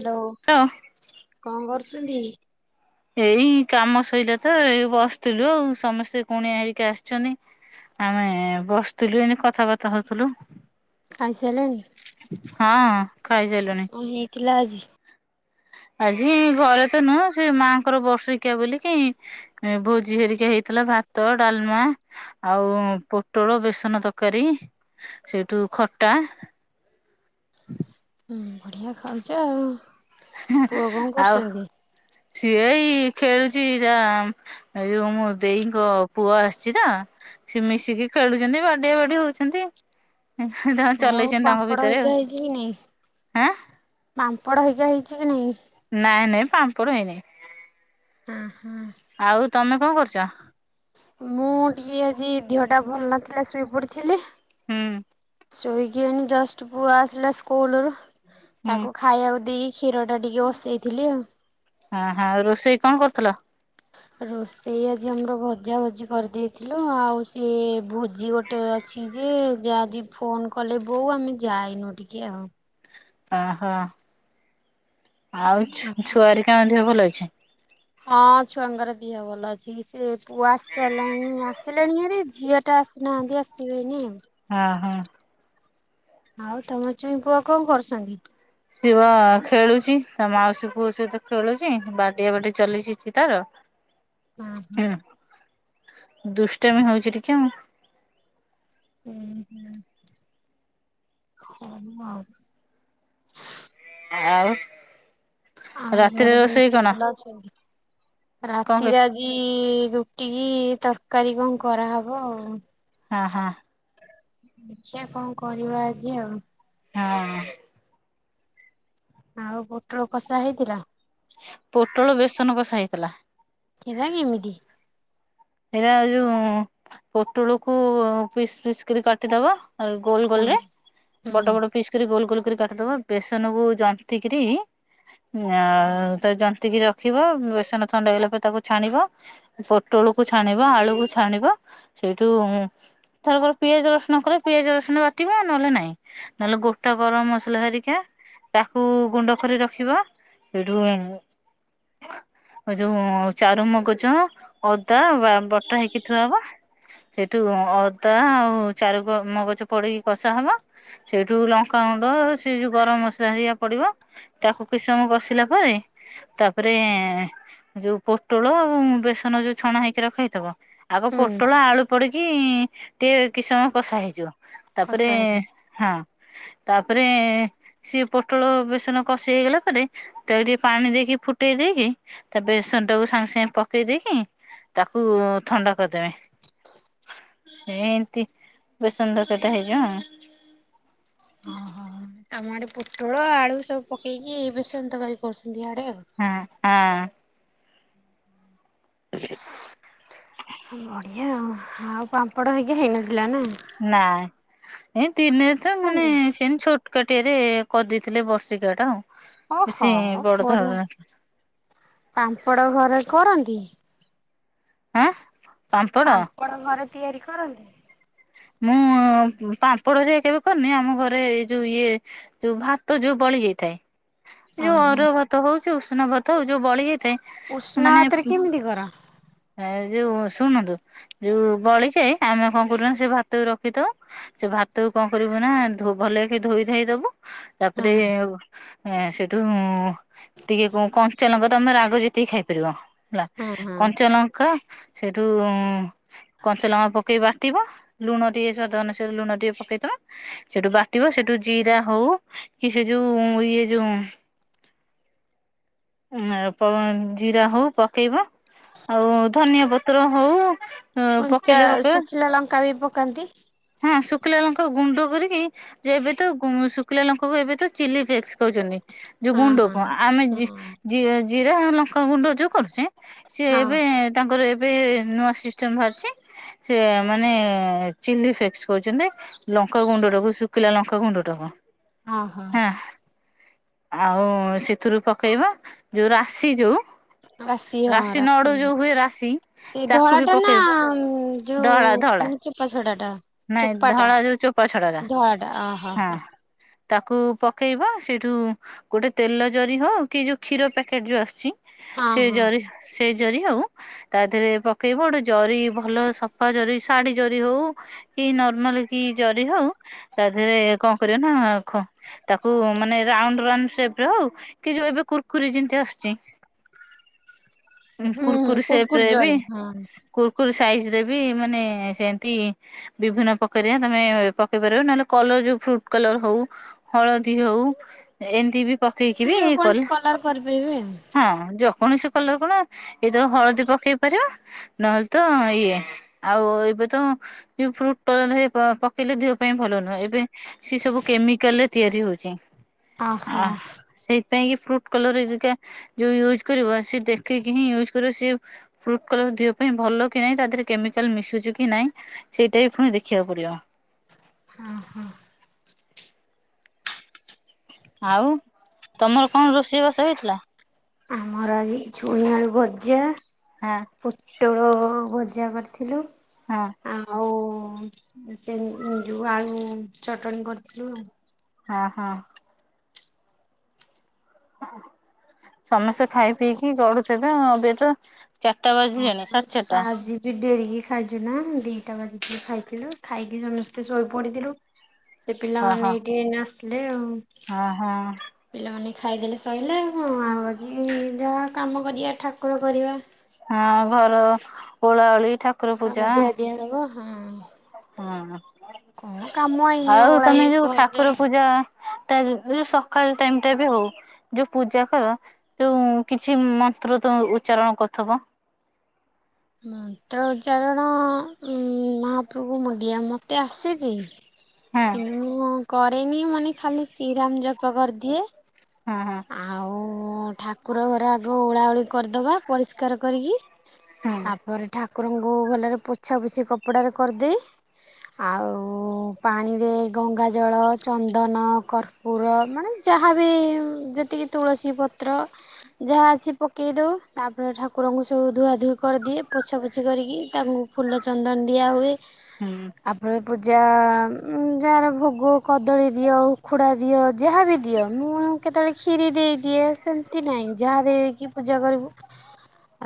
Hello. [unintelligible] କଣ କରୁଛନ୍ତି? ଏଇ କାମ ସଇଲା ତ ଏଇ ବସିଥିଲୁ ଆଉ ସମସ୍ତେ କୁଣିଆ ହେରିକା ଆସିଛନ୍ତି। ଆମେ ବସିଥିଲୁ ଏମତି କଥାବାର୍ତ୍ତା ହଉଥିଲୁ। ଖାଇ ସାଇଲେଣି? ହଁ ଖାଇସାଇଲୁଣି। କଁ ହେଇଥିଲା ଆଜି? ଆଜି ଘରେତ ନୁହଁ ସେ ମାଆଙ୍କର ବର୍ସିକିଆ ବୋଲିକି ଭୋଜି ହେରିକା ହେଇଥିଲା ଭାତ ଡ଼ାଲମା ଆଉ ପୋଟଳ ବେସନ ତରକାରୀ ସେଇଠୁ ଖଟା ହୁଁ ବଢ଼ିଆ ଖାଉଚ ଆଉ। ପୁଅ କଣ ଆଉ କରୁଛନ୍ତି? ସିଏ ଏଇ ଖେଳୁଚ ରା ଏ ଯୋଉ ମୋ ଦେଇଙ୍କ ପୁଅ ଆସିଚିନା ସେ ମିଶିକି ଖେଳୁଚନ୍ତି ବାଡିଆ ବାଡି ହଉଚନ୍ତି। ତାଙ୍କର ଆଉ ଚଲେଇଚନ୍ତି ତାଙ୍କ ପାମ୍ପଡ ଭିତରେ ହେଇକା ହେଇଛି କି ନାଇଁ? ଆଉ ଆଁ। ପାମ୍ପଡ଼ ହେଇିକା ହେଇଚିକି ନାହିଁ? ନାଇଁ ନାଇଁ ପାମ୍ପଡ଼ ହେଇନେଇଁ। ଉଁ ହୁଁ। ଆଉ ତମେ କଣ କରୁଚ? ମୁଁ ଟିକେ ଆଜି ଦୀହଟା ଭଲ ନଥିଲା ଶୋଇପଡ଼ିଥିଲି ହୁଁ। ସୋଇକି ଏଇନେ ଜଷ୍ଟ୍ ପୁଅ ଆସିଲା ସ୍କୁଲରୁ ତାକୁ ହୁଁ ଖା ଖାଇବାକୁ ଦେଇକି କ୍ଷୀରଟା ଟିକେ ବସେଇଥିଲି ଆଉ। ହଁ ହଁ ରୋଷେଇ କଁ କରୁଥିଲ? ରୋଷେଇ ଆଜି ଆମର ଭଜା ଭଜି କରିଦେଇଥିଲୁ ଆଉ ସିଏ ଭୋଜି ଗୋ ଗୋଟେ ଅଛିଯେ ଯାଆଜି ଫୋନ୍ କଲେ ବୋଉ ଆମେ ଯାଇନୁ ଟିକେ ଆଉ। ଓହୋ ଆଉ ଛୁଆରିକା ଦେହ ଭଲ ଅଛି? ହଁ ଛୁଆଙ୍କର ଦିହ ଭଲ ଅଛି ସେପୁଅ ଆସିସାରିଲାଣି ଆସିଲାଣି ହାରି ଝିଅ ଟା ଆସନାହାନ୍ତି ଆସିବେନି। ହଁ ହଁ। ଆଉ ତମ ଚୁଇଁ ପୁଅ କଁ କରୁଚନ୍ତି? ସିଏବା ଖେଳୁଚି ତାମାଉସୀ ପୁଅ ସହିତ ଖେଳୁଚି ବାଡିଆ ବାଡି ଚାଲିଚି ସିଏ ତାର [inaudible] ହଁ। ହୁଁ, ଦୁଷ୍ଟାମୀ ହଉଚି ଟିକେ ଆଉ। ହୁଁ ହୁଁ। ହଁ [unintelligible] ଆଉ ଆଉ? ଆଉ ରାତିରେ ଘର ରୋଷେଇ ସମସ୍ତେ କଣ ଭଲ ଅଛନ୍ତି କଣ କ ରାତିରେ ଆ ଆଜି ରୁଟିକି ତରକାରୀ କଁ କରାହବ ଆଉ। ହଁ ହଁ। ଦେଖିଆ କଣ କରିବା ଆଜି ଆଉ। ହଁ। ଆଉ ପୁଟଳ କଷା ହେଇଥିଲା? ପୋଟଳ ବେସନ କଷା ହେଇଥିଲା। କିରା କେମିତି? ଏରା ଏଯୋଉ ପୋଟଳକୁ ପିସ୍ ପିସ୍ କରି କାଟିଦବ ଆଉ ଗୋଲ ହୁଁ ଗୋଲରେ ହୁଁ ବଡ଼ ବଡ଼ ପିସ୍ କରି ଗୋଲ ଗୋଲ କରି କାଟିଦବ ବେସନକୁୁ ଜନ୍ତି କିରି ଆଉ ତାକୁ ଜନ୍ତିକି ରଖିବ ବେସନ ଥଣ୍ଡା ହେଇଗଲା ପରେ ତାକୁ ଛାଣିବ ପୋଟଳକୁୁ ଛାଣିବ, ଆଳୁକୁ ଛାଣିବ, ସେଇଠୁ ଥରକରେ ପିଆଜ ରସୁଣ କଲେ ପିଆଜ ରସୁଣ ବାଟିବ ନହେଲେ ନାଇଁ। ନହେଲେ ଗୋଟା ଗରମ ମସଲା ହେରିକା। ତାକୁ ଗୁଣ୍ଡ କରି ରଖିବ ସେଇଠୁ ହେ ଯୋଉ ଚାରୁ ମଗଯ। ତ ବଟା ହେଇକି ଥୁଆହବ। ସେଠୁ ଅଦା ଆଉ ଚାରୁ ମଗଜ ପଡିକି କଷା ହବ। ସେଇଠୁ ଲଙ୍କାଗୁଣ୍ଡ ସେ ଯୋଉ ଗରମ ମସଲା ହେରିକା ପଡିବ। ତାକୁ କିଛି ସମୟ କଷିଲା ପରେ ତାପରେ ଯୋଉ ପୋଟଳ ବେସନ ଯୋଉ ଛଣା ହେଇକି ରଖା ହେଇଥିବ ଆଗ ହୁଁ ପୋଟଳ ଆଳୁ ପଡିକି ଟିକେ କିଛି ସମୟ କଷା ହେଇଯିବ। ତାପରେ କଷା ହେଇଯିବ। ହଁ ତାପରେ ସିଏ ପୋଟଳ ବେସନ କଷି ହେଇଗଲା ପରେ ତାକୁ ଟିକେ ପାଣି ଦେଇକି ଫୁଟେଇ ଦେଇକି ତାପରେ ବେସନଟାକୁ ସାଙ୍ଗେ ସାଙ୍ଗେ ପକେଇ ଦେଇକି। ତାକୁ ଥଣ୍ଡା କରିଦେବେ। ଏମିତି ବେସନ ତରକାରୀଟା ହେଇଯିବ। ଓହୋ ତମ ଆଡେ ପୋଟଳ ଆଳୁ ସବୁ ପକେଇକି ବେସନ ତରକାରୀ କରୁଛନ୍ତି ଇଆଡେ ଆଉ। ହଁ ହଁ। ହୁଁ [unintelligible] ବଢିଆ ଆଉ, ଆଉ ପାମ୍ପଡ ହେରିକା ହେଇନଥିଲା ନା। ନା ଏଇ ତିନିଟା [unintelligible] କାହାନ୍ତି? ସେମିତି ଛୋଟକାଟିଆରେ କରିଦେଇଥିଲେ ବର୍ଷିକିଆଟା ଆଉ ଓହୋ ବେଶୀ ବଡଧରଣର ନଥିଲା। ପାମ୍ପଡ଼ ଘରେ କରନ୍ତି? ଏଁ ପାମ୍ପଡ଼। କଣ ଘରେ ତିଆରି କରନ୍ତି? ମୁଁ ପାମ୍ପଡ ଯେ କେବେ କରିନି ଆମ ଘରେ ଏଇ ଯୋଉ ଇଏ। ଯୋଉ ଭାତ ଯୋଉ ବଳି ଯାଇଥାଏ, ଯୋଉ ଓହୋ ଅରୁଆ ଭାତ ହଉ କି ଉଷୁନା ଭାତ ହଉ ଯୋଉ ବଳି ଯାଇଥାଏ। ଉଷୁନା ଭାତରେ କେମିତି କର? ହେଁ ଯୋଉ ଶୁଣନ୍ତୁ, ଯୋଉ ବଳିଜାଏ ଆମେ କଣ କରୁନା ସେ ଭାତକୁ ରଖିଥାଉ। ସେ ଭାତ କୁ କଣ କରିବୁ ନା ଭଲ କି ଧୋଇ ଧାଇଦବୁ ହଁ ତାପରେ। ଏଁ, ସେଇଠୁ ଟିକେ ଯଉ କଞ୍ଚାଲଙ୍କା ତମେ ରାଗ ଯେତିକି ଖାଇପାରିବ। ହେଲା ହଁ ହଁ କଞ୍ଚାଲଙ୍କା ସେଟୁ କଞ୍ଚାଲଙ୍କା ପକେଇ ବାଟିବା ଲୁଣ ଟିକେ ସ୍ୱାଦ ଅନୁସାରେ ଲୁଣ ଟିକେ ପକେଇଦେବା ସେଠୁ ବାଟିବ ସେଠୁ ଜିରା ହଉ କି ସେ ଯଉ ଇଏ ଯଉ। ଉଁ ପ ଜିରା ହଉ ପକେଇବା ଆଉ ଧନିଆ ପତ୍ର ହଉ ପକେଇଲେ କଞ୍ଚାଶୁଖିଲା ଲଙ୍କା ବି ପକାନ୍ତି। ହାଁ ଶୁଖିଲାଲଙ୍କା କୁ ଗୁଣ୍ଡ କରିକି ଯେ ଏବେତ ଶୁଖିଲା ଲଙ୍କାକୁ ଏବେ ତ ଚିଲି ଫ୍ରେଶ କହୁଛନ୍ତି। ଯୋଉ ହଁ ହଁ ଗୁଣ୍ଡକୁ ଆମେ ହଁ ଜିରା ଲଙ୍କା ଗୁଣ୍ଡ ଯୋଉ କରୁଚେ ସିଏ ହଁ ଏବେ ତାଙ୍କର ଏବେ ନୂଆ ସିଷ୍ଟମ ବାହାରିଚି ସେ ମାନେ ଚିଲି ଫ୍ରେଶ କହୁଛନ୍ତି। ଲଙ୍କାଗୁଣ୍ଡ ଟାକୁ ଶୁଖିଲା ଲଙ୍କାଗୁଣ୍ଡ ଟାକୁ। ହଁ ହଁ ହଁଅଂ ଆଉ ସେଥିରୁ ପକେଇବା ଯୋଉ ରାଶି ଯୋଉ। ରାଶି ହଁ ନଡୁ ରାଶି ଯୋଉ ହୁଏ ରାଶି ସେଇ ତାକୁ ବି ଧଳାଟା ନା ପକେଇବୁ ଧଳା ଧଳା ଯୋଉେ ଚୋପା ଛୋଡ଼ା ଟା। ନାଇଁ ଚୋପା ଟା? ଧଳା ଯୋଉ ଚୋପା ଛଡ଼ଟା ଧଳାଟା ଅହୋ ଆଁ। ତାକୁ ପକେଇବା ସେଇଠୁ ଗୋଟେ ତେଲ ଜରି ହଉ କି ଯୋଉ କ୍ଷୀର ପ୍ୟାକେଟରୁ ଆସିଚି ସେ ହୁଁ ଜରି ସେଇ ଜରି ହୋଉ। ତା ଦେରେ ପକେଇବ ଗୋଟେ ଜରି ଭଲ ସଫା ଜରି ଶାଢ଼ୀ ଜରି ହଉ। କି ନର୍ମାଲ କି ଜରି ହଉ ତା ଦେହରେ କଣ କରିବ ନା ଖ ତାକୁ ମାନେ ରାଉଣ୍ଡୁ ରାଉଣ୍ଡୁ ସେପ୍ ରେ ହଉ କି ଯୋଉ ଏବେ କୁୁରକୁରି ଯେମିତି ଆସୁଚି। ହୁଁ ହୁଁ କୁରିକୁରି ଜରି ହଁ। କୁୁରୁକୁୁରୁ ସାଇଜିରେ ବି ମାନେ ସେଏତି ବିଭିନ୍ନ ପକରିଆ ତମେ ପକେଇ ପାରିବ, ନହେଲେ କଲର ଯୋଉ ଫ୍ରୁଡୁ କଲର ହଉ। ହଳଦୀ ହଉ ଏମିତି ବି ପକେଇକି ବି ଯୋଉ କଲେ କୌଣସି କଲର କରିପାରିବେ। ହଁ ଯୋକୌଣସି କଲର କଣ ଏଇ ଯୋଉ ହଳଦୀ ପକେଇ ପାରିବ। ନହେଲେ ତ ଇଏ ଆଉ ଏବେ ତ ଯଉ ଫ୍ରୁଟ [unintelligible] ପକେଇଲେ ଦେହ ପାଇଁ ଭଲ ନୁହେଁ, ଏବେ ସେସବୁ କେମିକାଲରେ ତିଆରି ହଉଛି ଓହୋ ଆ ସେ ପାଇଁ କି ଫ୍ରୁଟ କଲରେ ଯୋଉ ୟୁଜ୍ କରିବ ସିଏ ଦେଖିକି ହିଁ ୟୁଜ୍ କରିବ ସିଏ ଯୋଉ ଫ୍ରୁଟ କଲର ଦିହ ପାଇଁ ଭଲ କି ନାଇଁ ତା ଦେହରେ କେମିକାଲ ମିଶୁଚି କି ନାଇଁ। ସେଇଟା ବି ପୁଣି ଦେଖିବାକୁ ପଡିବ। ହଁ ହଁ। ଆଉ ତମର କଣ ରୋଷେଇବାସ ହେଇଥିଲା? ଆମର ଆଜି ଛୁଇଁଆଳୁ ଭଜା। [unintelligible] ପୋଟଳ ଭଜା କରିଥିଲୁ। [inaudible] ଆଉ ସେ ଯୋଉ ଆଳୁ ଚଟଣି କରିଥିଲୁ ହଁ। ହଁ ହଁ। ସମସ୍ତେ ଖାଇ ପିଇକି ଗଡୁଥି [unintelligible] ଏବେ ତ ଚାରିଟା ବାଜିଲାଣି ସାଢେଟା। ଭିଡ଼ିଓ [unintelligible] ଖାଇଚୁନା ଦିଟା ବାଜିଚି ଖାଇଥିଲୁ ଖାଇକି ସମସ୍ତେ ଶୋଇ ପଡିଥିଲୁ। ସେ ପିଲାମାନେ ଏଇଠି ଏଇନା ଆସିଲେ ଆଉ ଆ ହାଁ। ପିଲାମାନେ ଖାଇଦେଲେ ସହିଲା [unintelligible] ଆଉ ଯାହା କାମ କରିବା ଠାକୁର କରିବା। ଆଉ ଘର ଓଳାଓଳି ଠାକୁ ସନ୍ଧ୍ୟା ଦିଆ ହବ ହଁ ହଁ। ହୁଁ କଣ କାମ ଏଇନେ ଆଉ ଓଳାଏ ତମେ ଯୋଉ ଠାକୁର ଘରଦ୍ୱାର ପୂଜା ତା ଯୋଉ ସକାଳ ଟାଇମ ଟା [unintelligible] ଯୋଉ ପୂଜା କର ଯୋଉ କିଛି ମନ୍ତ୍ର ତ ଉଚ୍ଚାରଣ କରୁଥବ? ମନ୍ତ୍ର ଉଚ୍ଚାରଣ ମହାପ୍ରଭକୁ ମୁଣ୍ଡିଆ ମୋତେ ଆସିନି। ହଁ କିନ୍ତୁ ମୁଁ କରେନି ମାନେ ଖାଲି ଶ୍ରୀରାମ ଜପ କରିଦିଏ। ହୁଁ ହଁ। ମୁଁ ଠାକୁର ଘର ଆଗ ଓଳାଓଳି କରିଦେବା ପରିଷ୍କାର କରିକି ହୁଁ ତାପରେ ଠାକୁରଙ୍କୁ ଭଲରେ ପୋଛା ପୋଛି କପଡ଼ାରେ କରିଦେଏ। ଆଉ ପାଣିରେ ଗଙ୍ଗା ଜଳ ଚନ୍ଦନ କର୍ ପୁର ମାନେ ଯାହାବି ଯେତିକି ତୁଳସୀ ପତ୍ର ଯାହା ଅଛି ପକେଇ ଦଉ ତାପରେ ଠାକୁରଙ୍କୁ ସବୁ ଧୁଆ ଧୁଇ କର୍ଦିଏ ପୋଛା ପୋଛି କରିକି ତାଙ୍କୁ ଫୁଲ ଚନ୍ଦନ୍ ଦିଆହୁଏ ହୁଁ ଆପରେ ପୂଜା ଯାହାର ଭୋଗ କଦଳୀ ଦିଅ ଉଖୁଡ଼ା ଦିଅ ଯାହା ବି ଦିଅ ମୁଁ କେତେବେଳେ କ୍ଷୀରି ଦେଇଦିଏ ସେମ୍ତି ନାହିଁ ଯାହା ଦେଇକି ପୂଜା କରିବୁ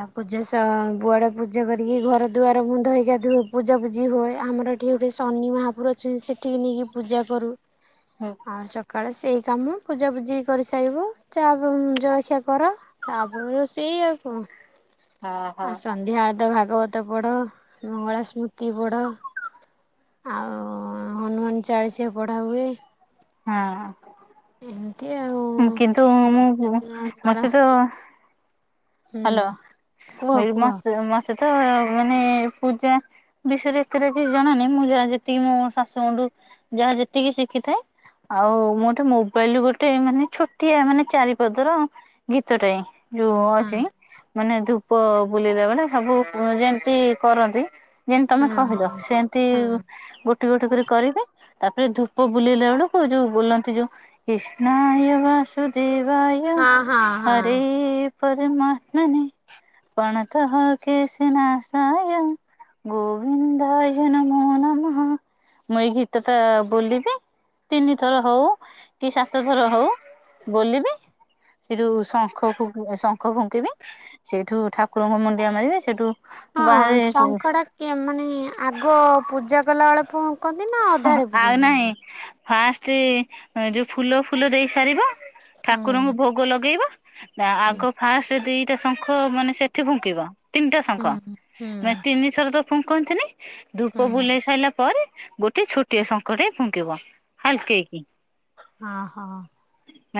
ଆ ପୂଜା ସ ବୁଆଡେ ପୂଜା କରିକି ଘର ଦୁଆର ବନ୍ଧ ହେଇକି ଗାଧୁଅ ହେବୁ ପୂଜାପୂଜି ହୁଏ ଆମର ଏଠି ଗୋଟଏ ଶନି ମହାପୁୁର ଅଛି ସେଠିକି ନେଇକି ପୂଜା କରୁ ହୁଁ। ଆଉ ସକାଳେ ସେଇ କାମ ପୂଜାପୂଜି କରିସାରିବୁ ଚା ଜଳଖିଆ କର ତାପରେ ରୋଷେଇ ଆଉ ଙ୍କ ହଁ ଆଉ ହଁ ସନ୍ଧ୍ୟା ଆଳତ ଭାଗବତ ପଢ ମଙ୍ଗଳା ସ୍ମୃତି ପଢ ଆଉ ହନୁମାନ୍ ଚାଳିଶିଆ ପଢ଼ା ହୁଏ। ହଁ। ଏମିତି ଆଉ। କିନ୍ତୁ ଠାକୁର ପୂଜା ମୁଁପୁ ଦିନ ମାଳ ମତେ ତ ହୁଁ ହାଲୋ କୁହ ମୁ କହିଲି କୁହ ମତେ ମତେ ତ ମାନେ ପୂଜା ବିଷୟରେ ଏତେଟା କିଛି ଜଣାନାହିଁ ମୁଁ ଯାହା ଯେତିକି ମୋ ଶାଶୁ ଙ୍କଠୁ ଯାହା ଯେତିକି ଶିଖିଥାଏ ଆଉ ମୋଠୁ ମୋବାଇଲ୍ ଗୋଟେ ମାନେ ଛୋଟିଆ ମାନେ ଚାରିପଦର ଗୀତଟେ ଯୋଉ ହଁ ଅଛି ମାନେ ଧୂପ ବୁଲେଲା ବେଳେ ସବୁ ଯେମ୍ତି କରନ୍ତି ଯେମିତି ହଁ ତମେ ହଁ କହିଲ ସେମ୍ତି ହଁ ଗୋଟି ଗୋଟି କରି କରିବେ ତାପରେ ଧୂପ ବୁଲାଇଲା ବେଳକୁ ଯୋଉ ବୁଲନ୍ତି ଯୋଉ କ୍ରିଷ୍ଣାୟ ବାସୁଦେବାୟ ହଁ ହଁ ହଁ ହରେ ପରମା [unintelligible] ପଣ ତହ କେଶନାସାୟ ଗୋବିଦ୍ଧାୟ ନମ ନାମହ ମୁଁ ଏଇ ଗୀତ ଠା ବୋଲିବି ତିନି ଥର ହଉ କି ସାତ ଥର ହଉ ବୋଲିବି ସେଠୁ ଶଙ୍ଖକୁ ଶଙ୍ଖ ଫୁଙ୍କିମି ଏଠୁ ଠାକୁରଙ୍କୁ ମୁଣ୍ଡିଆ ମାରିବି ସେଠୁ ହଁ ଶଙ୍ଖ ଟା କେ ମାନେ ଆଗ ପୂଜା କଲାବେଳେ ଫୁ କନ୍ତି ନା ଅଧାରେ ଫୁକଦିଅନ୍ତି? ଫାଷ୍ଟେ ଏଁ ଯଉ ଫୁଲ ଫୁଲ ଦେଇ ସାରିବ ଠାକୁରଙ୍କୁ ହୁଁ ଭୋଗ ଲଗେଇବ ନା ଆଗ ଫାଷ୍ଟେ ଦିଟା ଶଙ୍ଖ ମାନେ ସେଠି ଫୁଙ୍କିବ ତିନ୍ଟା ଶଙ୍ଖ ହୁଁ ମା ହୁଁ ତିନିଥର ତ ଫୁକନ୍ତିନି ଧୂପ ବୁଲେଇ ସାଇଲା ପରେ ଗୋଟେ ଛୋଟିଆ ଶଙ୍ଖଟେ ଫୁଙ୍କିବ ହାଲ୍କେଇକି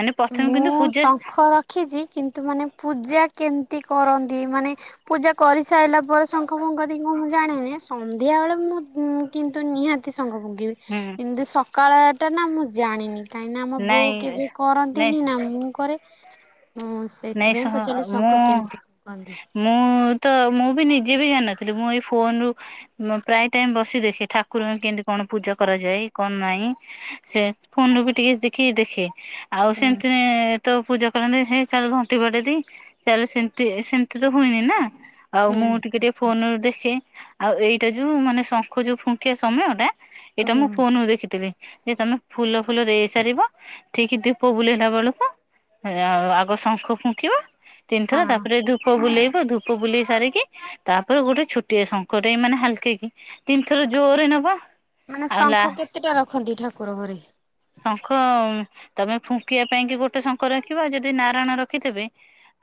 ମାନେ ପ୍ରଥମେ ମୁଁ କିନ୍ତୁ ପୂଜା ଶଙ୍ଖର ରଖିଛି କିନ୍ତୁ ମାନେ ପୂଜା କେମ୍ତି କରନ୍ତି ମାନେ ପୂଜା କରିସାଇଲା ପରେ ଶ ଙ୍ଖ ଫୁକନ୍ତି କଣ ମୁଁ ଜାଣିନି ସନ୍ଧ୍ୟାବେଳେ ମୁଁ ଉଁ କିନ୍ତୁ ନିହାତି ସଙ୍ଖ ଫୁଙ୍କିବି। ହୁଁ। ଇମ୍ତି ସକାଳେ ଏଟାନା ମୁଁ ଜାଣିନି। କାହିଁକି ନା ଆମ ବୋଉ ନାଇଁ କେବେ ନାଇଁ କରନ୍ତିନି ନା ମୁଁ କରେ ଉଁସ୍ ନାଇଁ ଏଇଥିପାଇଁ ପଚାର୍ଲି ଶଙ୍ଖ ମୁଁ କେମ୍ତି ଫୁକନ୍ତି ମୁଁ ତ ମୁଁ ବି ନିଜେ ବି ଜାଣ୍ନଥିଲି ମୁଁ ଏଇ ଫୋନ୍ ରୁୁ ମୁଁ ପ୍ରାୟେ ଟାଇମ୍ ବସି ଦେଖେ ଠାକୁରଙ୍କୁ କେମ୍ତି କଣ ପୂଜା କରାଯାଏ କଣ ନାହିଁ। ସେ ଫୋନ୍ ରୁ ବି ଟିକେ ଦେଖିକି ଦେଖେ ଆଉ ହୁଁ ସେମ୍ତି ନାହିଁ ତ ପୂଜା କରନ୍ତି ହେ ଚାଲ ଘଣ୍ଟି ବାଡେଇ ଦେଇ ଚାଲ ସେମତି ସେମିତି ତ ହୁଏନି ନା? ଆଉ ମୁଁ ହୁଁ ଟିକେ ଟିକେ ଫୋନ୍ ରୁ ଦେଖେ ଆଉ ଏଇଟା ଯୋଉ ମାନେ ଶଙ୍ଖ ଯୋଉ ଫୁଙ୍କିବା ସମୟଟା ଏଇଟା ହୁଁ। ମୁଁ ଫୋନ୍ ରୁ ଦେଖିଥିଲି [unintelligible] ଫୁଲ ଫୁଲ ଦେଇ ସାରିବ ଠିକ ଦୀପ ବୁଲେଇଲା ବେଳକୁ ଏ ଆଉ ଆଗ ଶ ଶଙ୍ଖ ଫୁଙ୍କିବ ତିନିଥର ହଁ ତାପରେ ଧୂ ପ ବୁଲେଇବ, ଧୂପ ବୁଲେଇ ସାରିକି ତାପରେ ଗୋଟେ ଛୁଟିଆ ଶଙ୍ଖ ଟେ ଏ ମାନେ ହାଲକେଇକି ତିନଥର ଜୋରରେ ନବ ମାନେ ଆଉ ଲା ଶଙ୍ଖ କେତେଟା ରଖନ୍ତି ଠାକୁର ଘରେ? ଶଙ୍ଖ ଉଁ, ତୋମେ ଫୁଙ୍କିବା ପାଇଁ କି ଗୋଟେ ଶଙ୍ଖ ରଖିବ। ଆଉ ଯଦି ନା ରାୟଣ ରଖିଥେବେ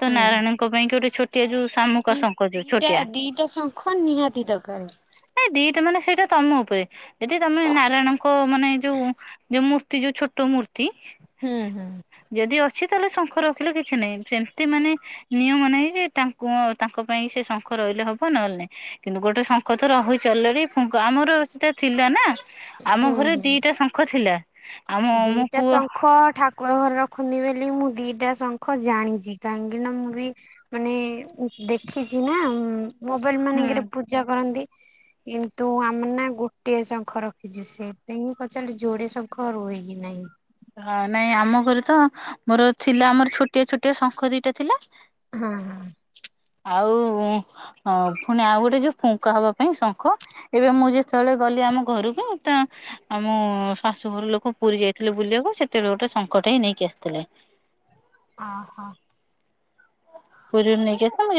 ତ ନାରାୟଣଙ୍କ ପାଇଁ କି ଗୋଟେ ଛୋଟିଆ ଯୋଉ ଶାମୁକା ନେ ଶଙ୍ଖ ଯୋଉ ଦିଟା ଛୋଟିଆ ଦିଟା ଶଙ୍ଖ ନିହାତି ଦରକାର। ଏ ଦିଟା ମାନେ ସେଇଟା ତୋମ ଉପରେ ଯଦି ତୋମେ ନାରାୟଣଙ୍କ ମାନେ ଯୋଉ ଯୋଉ ମୂର୍ତ୍ତି ଯୋଉ ଛୋଟ ମୂର୍ତ୍ତି ହୁଁ ହୁଁ। ଯଦି ଅଛି ତାହେଲେ ଶଙ୍ଖ ର ଖିଲ କିଛି ନାହିଁ। ସେମତି ମାନେ ନିୟମ ନାହିଁ ଯେ ତାଙ୍କୁ ତାଙ୍କ ପାଇଁ ସେ ଶଙ୍ଖ ରହିଲେ ହବ ନହେଲେ ନାହିଁ। କିନ୍ତୁ ଗୋଟେ ଶଙ୍ଖ ତ ରହୁଚି ଅଲରେଡି ଫୁଙ୍କ ଆମର ସେଟା ଥିଲା ନା ଆମ ହୁଁ ଘରେ ହୁଁ। ଦିଟା ଶଙ୍ଖ ଥିଲା। ଆମ ମୋ ଦିଟା ପୁଅ ଶଙ୍ଖ ଠା କୁର ଘରେ ରଖନ୍ତି ବୋଲି ମୁଁ ଦିଟା ଶଙ୍ଖ ଜାଣିଚି। କାହିଁକି ନା ମୁଁ ବି ମାନେ ଦେଖିଛି ନା ଉଁ, ମୋବାଇଲ୍ ହୁଁ। ମାନେଙ୍କରେ ପୂଜା କରନ୍ତି। କିନ୍ତୁ ଆମେ ନା ଗୋଟିଏ ଶଙ୍ଖ ରଖିଛୁ ସେଇଥିପାଇଁ ହିଁ ପଚାରିଲି ଯୋଡେ ଶଙ୍ଖ ଖ ରୁହେ କି ନାହିଁ ହଁ ନାଇଁ ଆମ ଘରେ ତ ମୋର ଥିଲା ଆମର ଛୋଟିଆ ଛୋଟିଆ ଶଙ୍ଖ ଦିଟା ଥିଲା। ହଁ, ହଁ। ଆଉ ଉଁ, ହଁ ଫୁଣି ଆଉ ଗୋଟେ ଯୋଉ ଫୁଙ୍କା ହବା ପାଇଁ ଶଙ୍ଖ ଏବେ ମୁଁ ଯେତେବେଳେ ଗଲି ଆମ ଘରକୁ ତ ଆମ ଶାଶୁଘର ଲୋକ ପୁରୀ ଯାଇଥିଲେ ବୁଲିବାକୁ ସେତେବେଳେ ଗୋଟେ ଶଙ୍ଖ ଟେ ନେଇକି ଆସିଥିଲେ। ଓହୋ। ପୁରୀରୁ ନେଇିକି ଆସିଥିଲେ ଯେ